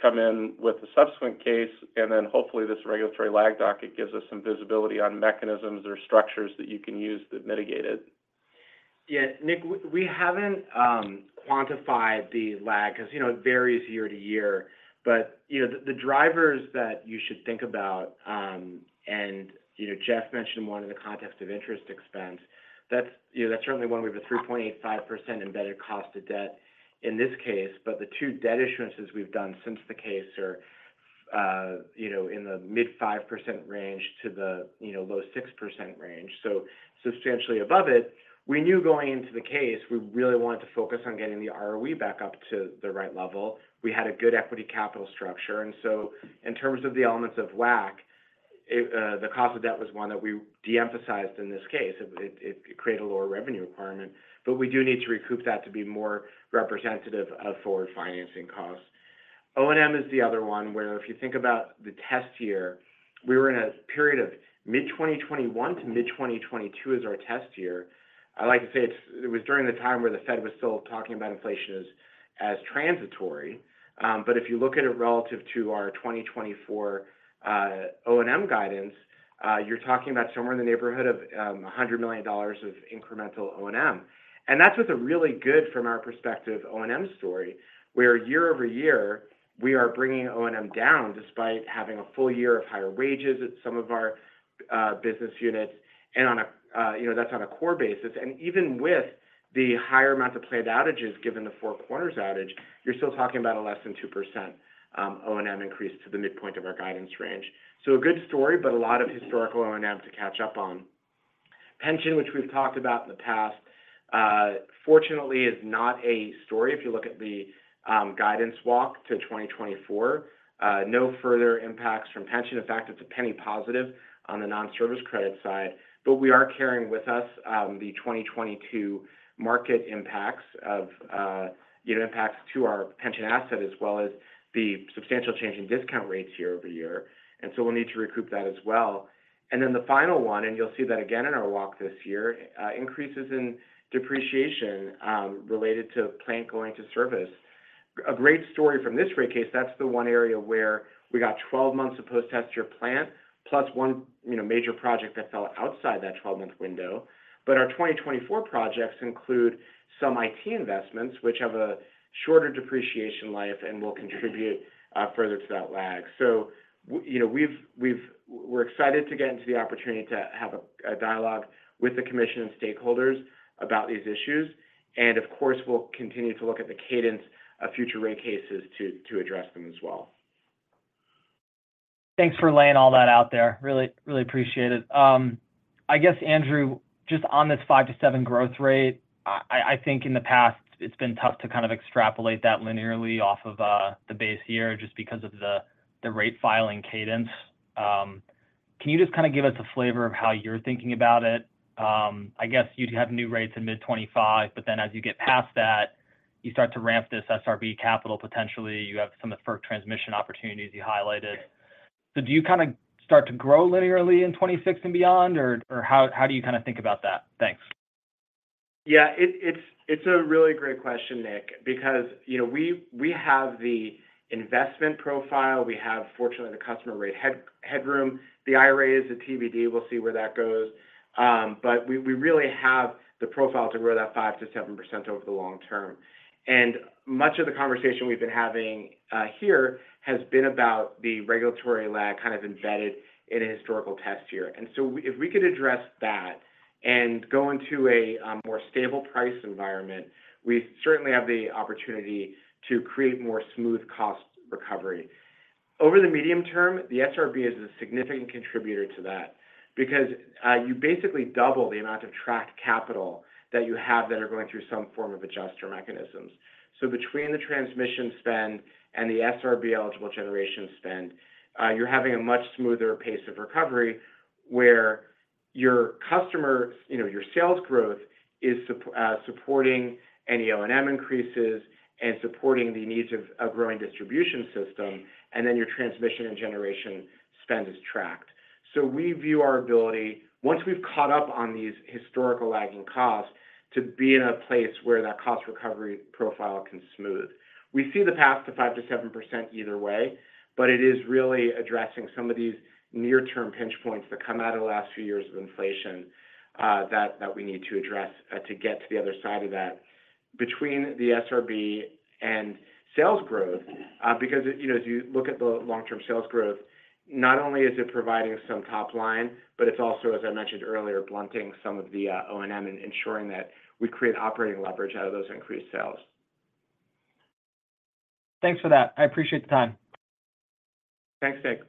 come in with a subsequent case. And then hopefully, this regulatory lag docket gives us some visibility on mechanisms or structures that you can use to mitigate it. Yeah. Nick, we haven't quantified the lag because it varies year to year. But the drivers that you should think about, and Jeff mentioned one in the context of interest expense, that's certainly one where we have a 3.85% embedded cost of debt in this case. But the two debt issuances we've done since the case are in the mid-5% range to the low 6% range, so substantially above it. We knew going into the case, we really wanted to focus on getting the ROE back up to the right level. We had a good equity capital structure. And so in terms of the elements of WACC, the cost of debt was one that we deemphasized in this case. It created a lower revenue requirement. But we do need to recoup that to be more representative of forward financing costs. O&M is the other one where if you think about the test year, we were in a period of mid-2021 to mid-2022 is our test year. I like to say it was during the time where the Fed was still talking about inflation as transitory. But if you look at it relative to our 2024 O&M guidance, you're talking about somewhere in the neighborhood of $100 million of incremental O&M. And that's with a really good, from our perspective, O&M story where year-over-year, we are bringing O&M down despite having a full year of higher wages at some of our business units, and that's on a core basis. And even with the higher amount of planned outages given the Four Corners outage, you're still talking about a less than 2% O&M increase to the midpoint of our guidance range. So a good story, but a lot of historical O&M to catch up on. Pension, which we've talked about in the past, fortunately, is not a story. If you look at the guidance walk to 2024, no further impacts from pension. In fact, it's a penny positive on the non-service credit side. But we are carrying with us the 2022 market impacts to our pension asset as well as the substantial change in discount rates year over year. And so we'll need to recoup that as well. And then the final one, and you'll see that again in our walk this year, increases in depreciation related to plant going to service. A great story from this rate case, that's the one area where we got 12 months of post-test year plant plus one major project that fell outside that 12-month window. But our 2024 projects include some IT investments which have a shorter depreciation life and will contribute further to that lag. So we're excited to get into the opportunity to have a dialogue with the commission and stakeholders about these issues. And of course, we'll continue to look at the cadence of future rate cases to address them as well. Thanks for laying all that out there. Really, really appreciate it. I guess, Andrew, just on this 5%-7% growth rate, I think in the past, it's been tough to kind of extrapolate that linearly off of the base year just because of the rate filing cadence. Can you just kind of give us a flavor of how you're thinking about it? I guess you'd have new rates in mid-2025, but then as you get past that, you start to ramp this SRB capital potentially. You have some of the FERC transmission opportunities you highlighted. So do you kind of start to grow linearly in 2026 and beyond, or how do you kind of think about that? Thanks. Yeah. It's a really great question, Nick, because we have the investment profile. We have, fortunately, the customer rate headroom. The IRA, the TBD, we'll see where that goes. But we really have the profile to grow that 5%-7% over the long term. Much of the conversation we've been having here has been about the regulatory lag kind of embedded in a historical test year. So if we could address that and go into a more stable price environment, we certainly have the opportunity to create more smooth cost recovery. Over the medium term, the SRB is a significant contributor to that because you basically double the amount of tracked capital that you have that are going through some form of adjuster mechanisms. So between the transmission spend and the SRB-eligible generation spend, you're having a much smoother pace of recovery where your customer, your sales growth, is supporting any O&M increases and supporting the needs of a growing distribution system, and then your transmission and generation spend is tracked. So we view our ability, once we've caught up on these historical lagging costs, to be in a place where that cost recovery profile can smooth. We see the path to 5%-7% either way, but it is really addressing some of these near-term pinch points that come out of the last few years of inflation that we need to address to get to the other side of that between the SRB and sales growth because as you look at the long-term sales growth, not only is it providing some top line, but it's also, as I mentioned earlier, blunting some of the O&M and ensuring that we create operating leverage out of those increased sales. Thanks for that. I appreciate the time. Thanks, Nick.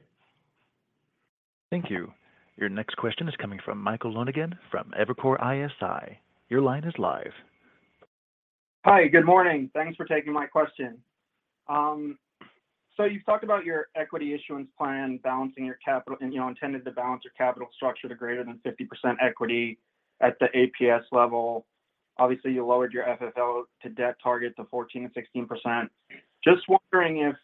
Thank you. Your next question is coming from Michael Lonegan from Evercore ISI. Your line is live. Hi. Good morning. Thanks for taking my question. So you've talked about your equity issuance plan balancing your capital intended to balance your capital structure to greater than 50% equity at the APS level. Obviously, you lowered your FFO to debt target to 14% and 16%. Just wondering if,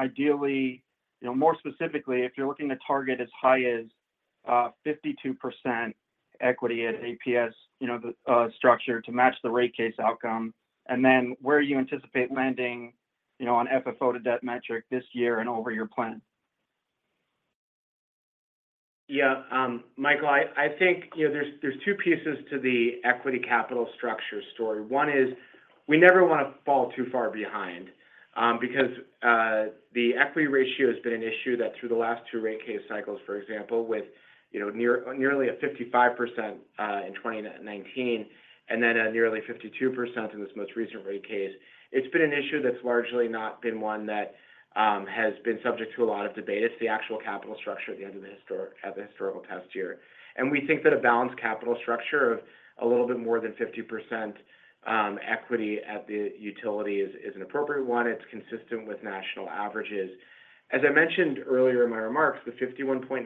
ideally, more specifically, if you're looking to target as high as 52% equity at APS structure to match the rate case outcome, and then where you anticipate landing on FFO to debt metric this year and over your plan? Yeah. Michael, I think there's two pieces to the equity capital structure story. One is we never want to fall too far behind because the equity ratio has been an issue that through the last two rate case cycles, for example, with nearly a 55% in 2019 and then a nearly 52% in this most recent rate case, it's been an issue that's largely not been one that has been subject to a lot of debate. It's the actual capital structure at the end of the historical test year. And we think that a balanced capital structure of a little bit more than 50% equity at the utility is an appropriate one. It's consistent with national averages. As I mentioned earlier in my remarks, the 51.9%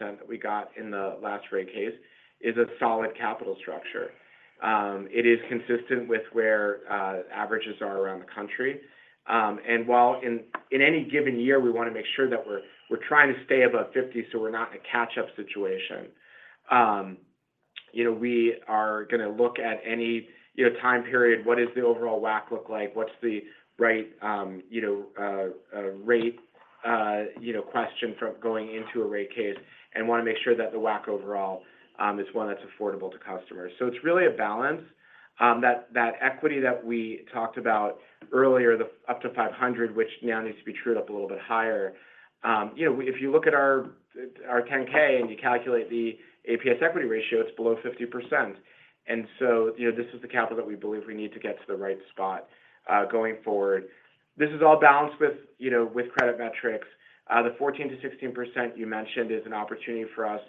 that we got in the last rate case is a solid capital structure. It is consistent with where averages are around the country. While in any given year, we want to make sure that we're trying to stay above 50 so we're not in a catch-up situation, we are going to look at any time period. What does the overall WACC look like? What's the right rate question going into a rate case? And want to make sure that the WACC overall is one that's affordable to customers. So it's really a balance. That equity that we talked about earlier, the up to 500, which now needs to be trued up a little bit higher, if you look at our 10-K and you calculate the APS equity ratio, it's below 50%. And so this is the capital that we believe we need to get to the right spot going forward. This is all balanced with credit metrics. The 14%-16% you mentioned is an opportunity for us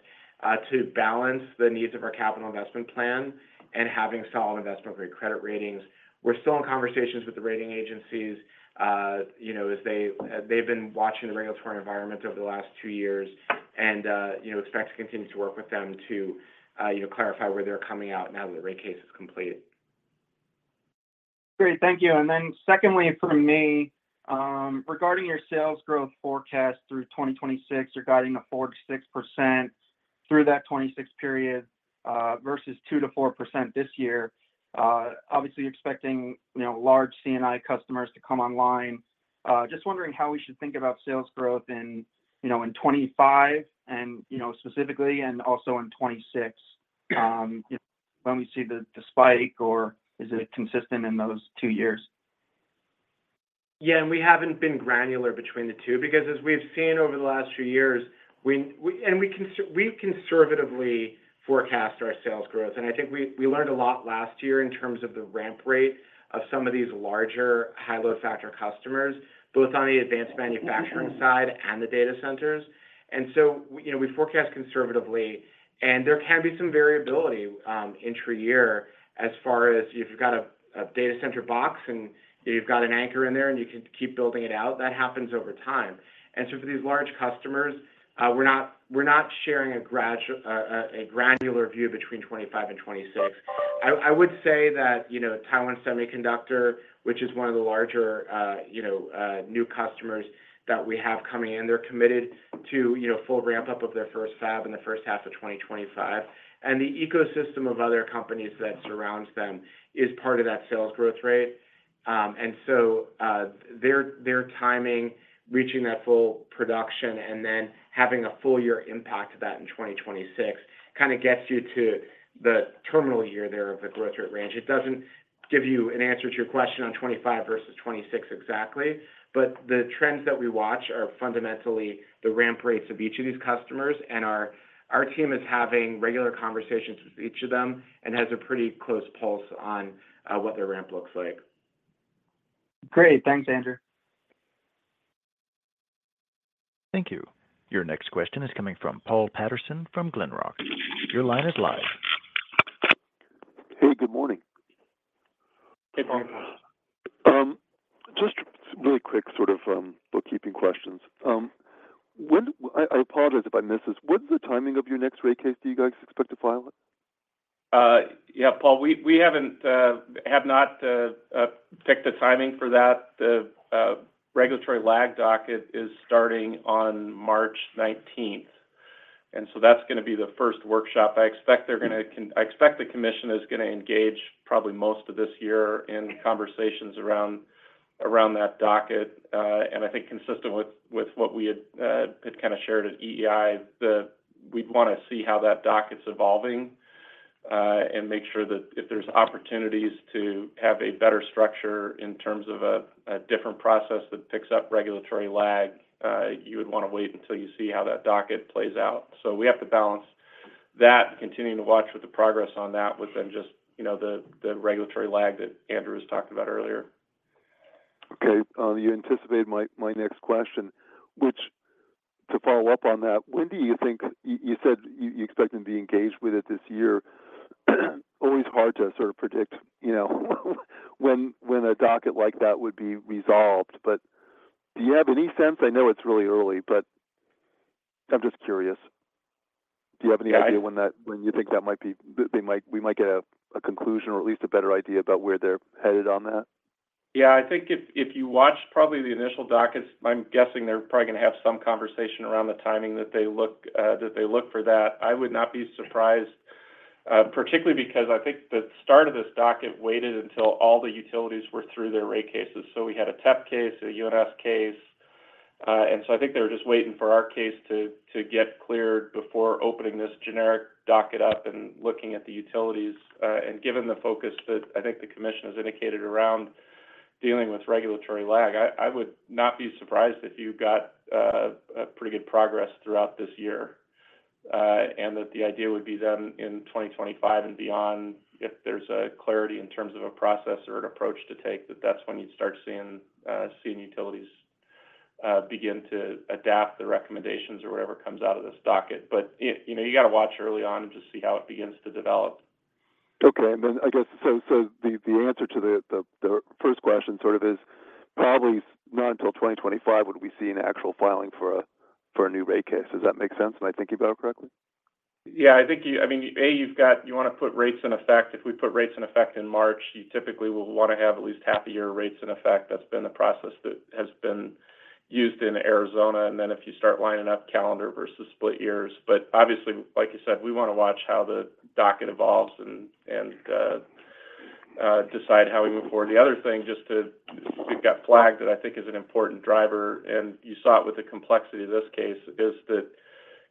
to balance the needs of our capital investment plan and having solid investment-grade credit ratings. We're still in conversations with the rating agencies as they've been watching the regulatory environment over the last two years and expect to continue to work with them to clarify where they're coming out now that the rate case is complete. Great. Thank you. And then secondly for me, regarding your sales growth forecast through 2026, you're guiding a 4%-6% through that 2026 period versus 2%-4% this year, obviously expecting large C&I customers to come online. Just wondering how we should think about sales growth in 2025 specifically and also in 2026 when we see the spike, or is it consistent in those two years? Yeah. And we haven't been granular between the two because as we've seen over the last few years, and we conservatively forecast our sales growth. And I think we learned a lot last year in terms of the ramp rate of some of these larger high-load factor customers, both on the advanced manufacturing side and the data centers. And so we forecast conservatively. And there can be some variability intra-year as far as if you've got a data center box and you've got an anchor in there and you can keep building it out, that happens over time. And so for these large customers, we're not sharing a granular view between 2025 and 2026. I would say that Taiwan Semiconductor, which is one of the larger new customers that we have coming in, they're committed to full ramp-up of their first fab in the first half of 2025. The ecosystem of other companies that surrounds them is part of that sales growth rate. And so their timing, reaching that full production, and then having a full-year impact of that in 2026 kind of gets you to the terminal year there of the growth rate range. It doesn't give you an answer to your question on 2025 versus 2026 exactly, but the trends that we watch are fundamentally the ramp rates of each of these customers. Our team is having regular conversations with each of them and has a pretty close pulse on what their ramp looks like. Great. Thanks, Andrew. Thank you. Your next question is coming from Paul Patterson from Glenrock. Your line is live. Hey. Good morning. Hey, Paul. Just really quick sort of bookkeeping questions. I apologize if I miss this. What's the timing of your next rate case? Do you guys expect to file it? Yeah, Paul. We have not picked a timing for that. The regulatory lag docket is starting on March 19th. And so that's going to be the first workshop. I expect the commission is going to engage probably most of this year in conversations around that docket. And I think consistent with what we had kind of shared at EEI, we'd want to see how that docket's evolving and make sure that if there's opportunities to have a better structure in terms of a different process that picks up regulatory lag, you would want to wait until you see how that docket plays out. So we have to balance that, continuing to watch with the progress on that with then just the regulatory lag that Andrew was talking about earlier. Okay. You anticipated my next question, which, to follow up on that, when do you think you said you expect them to be engaged with it this year? Always hard to sort of predict when a docket like that would be resolved. But do you have any sense? I know it's really early, but I'm just curious. Do you have any idea when you think that might be? We might get a conclusion or at least a better idea about where they're headed on that? Yeah. I think if you watch probably the initial dockets, I'm guessing they're probably going to have some conversation around the timing that they look for that. I would not be surprised, particularly because I think the start of this docket waited until all the utilities were through their rate cases. So we had a TEP case, a UNS case. And so I think they were just waiting for our case to get cleared before opening this generic docket up and looking at the utilities. Given the focus that I think the commission has indicated around dealing with regulatory lag, I would not be surprised if you got pretty good progress throughout this year and that the idea would be then in 2025 and beyond, if there's a clarity in terms of a process or an approach to take, that that's when you'd start seeing utilities begin to adapt the recommendations or whatever comes out of this docket. But you got to watch early on and just see how it begins to develop. Okay. And then I guess so the answer to the first question sort of is probably not until 2025 would we see an actual filing for a new rate case. Does that make sense? Am I thinking about it correctly? Yeah. I mean, A, you want to put rates in effect. If we put rates in effect in March, you typically will want to have at least half a year of rates in effect. That's been the process that has been used in Arizona. And then if you start lining up calendar versus split years. But obviously, like you said, we want to watch how the docket evolves and decide how we move forward. The other thing just that got flagged that I think is an important driver, and you saw it with the complexity of this case, is that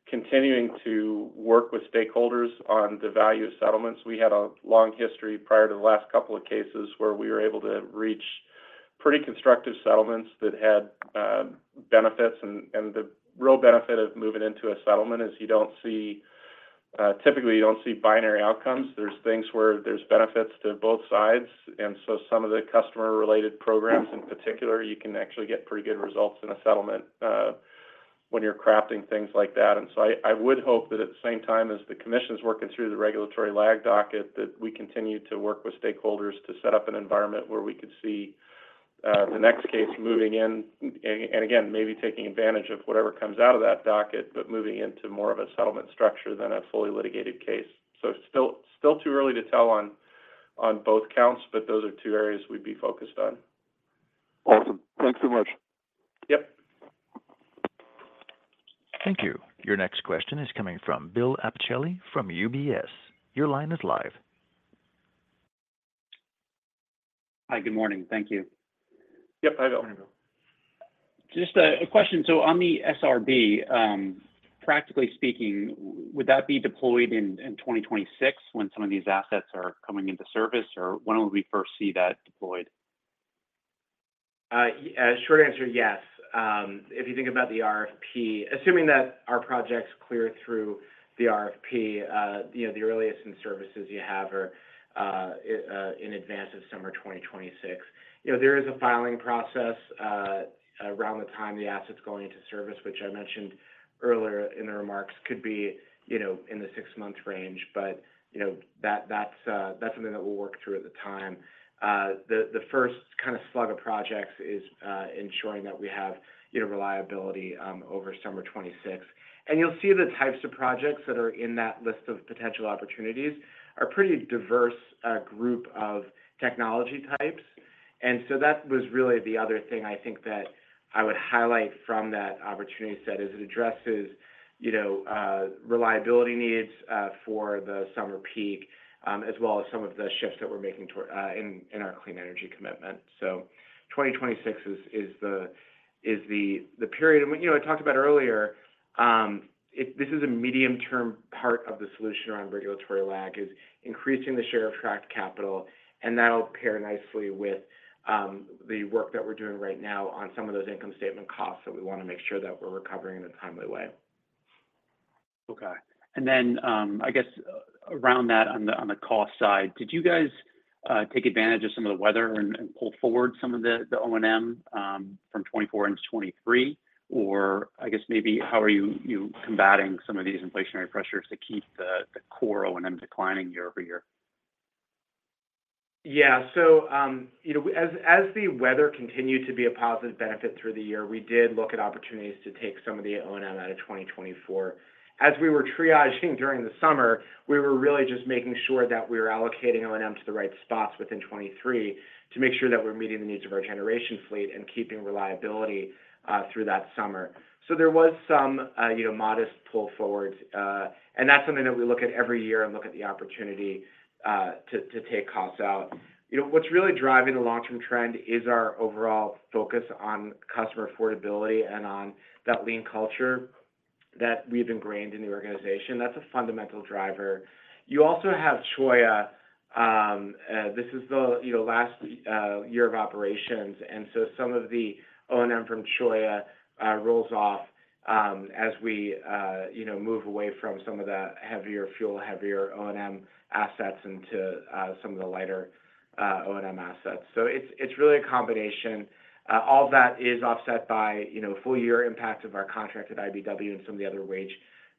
continuing to work with stakeholders on the value of settlements. We had a long history prior to the last couple of cases where we were able to reach pretty constructive settlements that had benefits. The real benefit of moving into a settlement is you don't see, typically, you don't see binary outcomes. There's things where there's benefits to both sides. And so some of the customer-related programs in particular, you can actually get pretty good results in a settlement when you're crafting things like that. And so I would hope that at the same time as the commission's working through the regulatory lag docket, that we continue to work with stakeholders to set up an environment where we could see the next case moving in and again, maybe taking advantage of whatever comes out of that docket, but moving into more of a settlement structure than a fully litigated case. So it's still too early to tell on both counts, but those are two areas we'd be focused on. Awesome. Thanks so much. Yep. Thank you. Your next question is coming from Bill Appicelli from UBS. Your line is live. Hi. Good morning. Thank you. Yep. Hi, Bill. Good morning, Bill. Just a question. So on the SRB, practically speaking, would that be deployed in 2026 when some of these assets are coming into service, or when will we first see that deployed? Short answer, yes. If you think about the RFP assuming that our projects clear through the RFP, the earliest in services you have are in advance of summer 2026. There is a filing process around the time the asset's going into service, which I mentioned earlier in the remarks could be in the six-month range, but that's something that we'll work through at the time. The first kind of slug of projects is ensuring that we have reliability over summer 2026. And you'll see the types of projects that are in that list of potential opportunities are a pretty diverse group of technology types. And so that was really the other thing I think that I would highlight from that opportunity set is it addresses reliability needs for the summer peak as well as some of the shifts that we're making in our Clean Energy Commitment. 2026 is the period. And I talked about earlier, this is a medium-term part of the solution around regulatory lag is increasing the share of tracked capital. And that'll pair nicely with the work that we're doing right now on some of those income statement costs that we want to make sure that we're recovering in a timely way. Okay. And then I guess around that on the cost side, did you guys take advantage of some of the weather and pull forward some of the O&M from 2024 into 2023, or I guess maybe how are you combating some of these inflationary pressures to keep the core O&M declining year over year? Yeah. So as the weather continued to be a positive benefit through the year, we did look at opportunities to take some of the O&M out of 2024. As we were triaging during the summer, we were really just making sure that we were allocating O&M to the right spots within 2023 to make sure that we're meeting the needs of our generation fleet and keeping reliability through that summer. So there was some modest pull forward. And that's something that we look at every year and look at the opportunity to take costs out. What's really driving the long-term trend is our overall focus on customer affordability and on that lean culture that we've ingrained in the organization. That's a fundamental driver. You also have Cholla. This is the last year of operations. And so some of the O&M from Cholla rolls off as we move away from some of the heavier fuel, heavier O&M assets into some of the lighter O&M assets. So it's really a combination. All of that is offset by full-year impact of our contract at IBEW and some of the other wage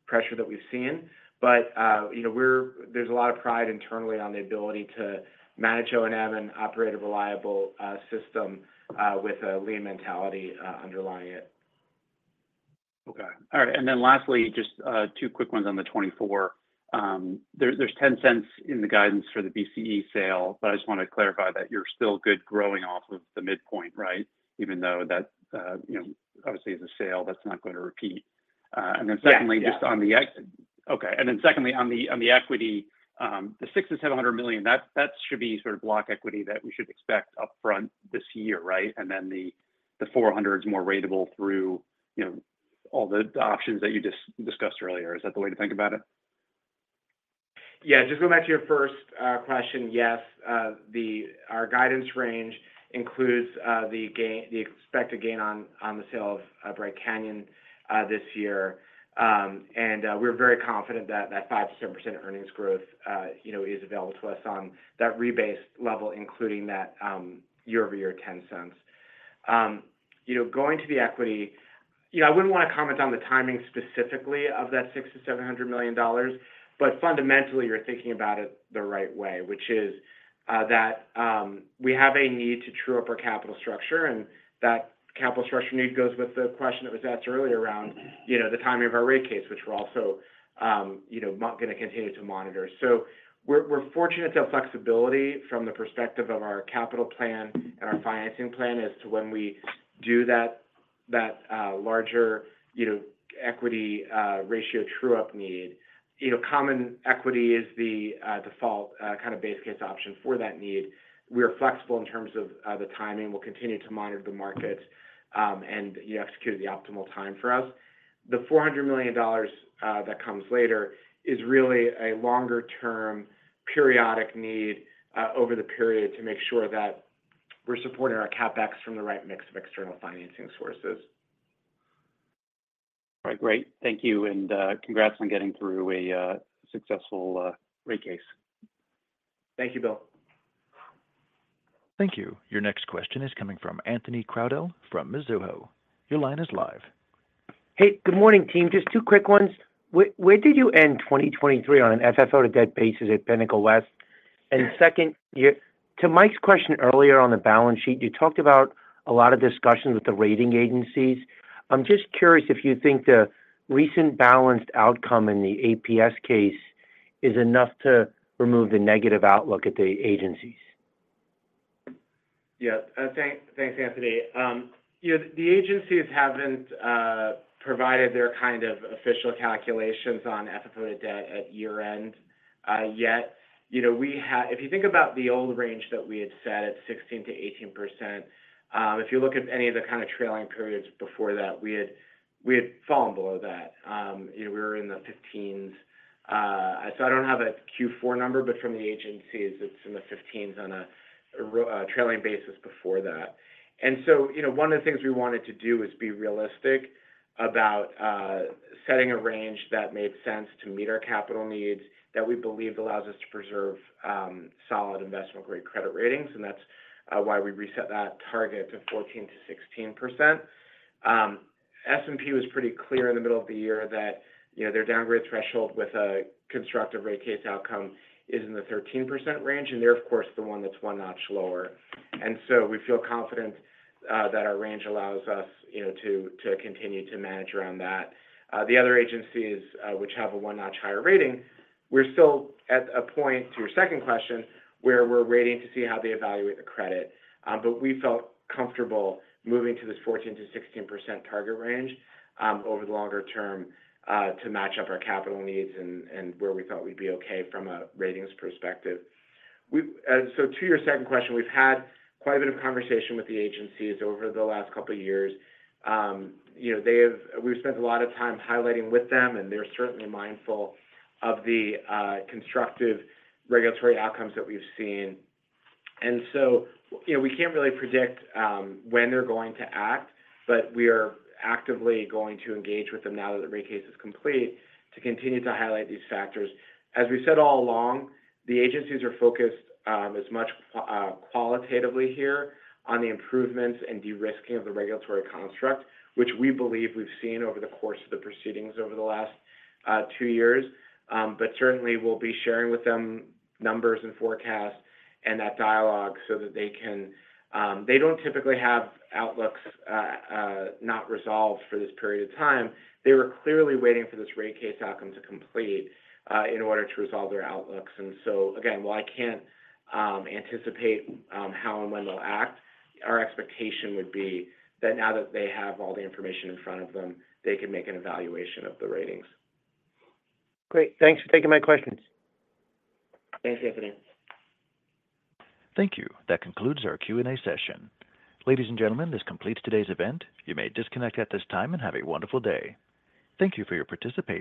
pressure that we've seen. But there's a lot of pride internally on the ability to manage O&M and operate a reliable system with a lean mentality underlying it. Okay. All right. And then lastly, just two quick ones on the 2024. There's $0.10 in the guidance for the BCE sale, but I just want to clarify that you're still good growing off of the midpoint, right, even though that obviously is a sale that's not going to repeat. And then secondly, on the equity, the $600 million-$700 million, that should be sort of block equity that we should expect upfront this year, right? And then the $400 million is more ratable through all the options that you discussed earlier. Is that the way to think about it? Yeah. Just going back to your first question, yes. Our guidance range includes the expected gain on the sale of Bright Canyon this year. And we're very confident that that 5%-7% earnings growth is available to us on that rebase level, including that year-over-year $0.10. Going to the equity, I wouldn't want to comment on the timing specifically of that $600 million-$700 million, but fundamentally, you're thinking about it the right way, which is that we have a need to true up our capital structure. And that capital structure need goes with the question that was asked earlier around the timing of our rate case, which we're also going to continue to monitor. So we're fortunate to have flexibility from the perspective of our capital plan and our financing plan as to when we do that larger equity ratio true-up need. Common equity is the default kind of base case option for that need. We are flexible in terms of the timing. We'll continue to monitor the markets and execute at the optimal time for us. The $400 million that comes later is really a longer-term, periodic need over the period to make sure that we're supporting our CapEx from the right mix of external financing sources. All right. Great. Thank you. Congrats on getting through a successful rate case. Thank you, Bill. Thank you. Your next question is coming from Anthony Crowdell from Mizuho. Your line is live. Hey. Good morning, team. Just two quick ones. Where did you end 2023 on an FFO-to-debt basis at Pinnacle West? And second, to Mike's question earlier on the balance sheet, you talked about a lot of discussions with the rating agencies. I'm just curious if you think the recent balanced outcome in the APS case is enough to remove the negative outlook at the agencies. Yeah. Thanks, Anthony. The agencies haven't provided their kind of official calculations on FFO-to-debt at year-end yet. If you think about the old range that we had set at 16%-18%, if you look at any of the kind of trailing periods before that, we had fallen below that. We were in the 15s. So I don't have a Q4 number, but from the agencies, it's in the 15s on a trailing basis before that. And so one of the things we wanted to do is be realistic about setting a range that made sense to meet our capital needs that we believed allows us to preserve solid investment-grade credit ratings. And that's why we reset that target to 14%-16%. S&P was pretty clear in the middle of the year that their downgrade threshold with a constructive rate case outcome is in the 13% range. And they're, of course, the one that's one notch lower. And so we feel confident that our range allows us to continue to manage around that. The other agencies, which have a one notch higher rating, we're still at a point, to your second question, where we're waiting to see how they evaluate the credit. But we felt comfortable moving to this 14%-16% target range over the longer term to match up our capital needs and where we thought we'd be okay from a ratings perspective. So to your second question, we've had quite a bit of conversation with the agencies over the last couple of years. We've spent a lot of time highlighting with them, and they're certainly mindful of the constructive regulatory outcomes that we've seen. So we can't really predict when they're going to act, but we are actively going to engage with them now that the rate case is complete to continue to highlight these factors. As we've said all along, the agencies are focused as much qualitatively here on the improvements and de-risking of the regulatory construct, which we believe we've seen over the course of the proceedings over the last two years. But certainly, we'll be sharing with them numbers and forecasts and that dialogue so that they can, they don't typically have outlooks not resolved for this period of time. They were clearly waiting for this rate case outcome to complete in order to resolve their outlooks. And so again, while I can't anticipate how and when they'll act, our expectation would be that now that they have all the information in front of them, they can make an evaluation of the ratings. Great. Thanks for taking my questions. Thanks, Anthony. Thank you. That concludes our Q&A session. Ladies and gentlemen, this completes today's event. You may disconnect at this time and have a wonderful day. Thank you for your participation.